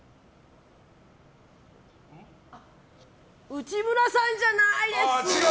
内村さんじゃないです。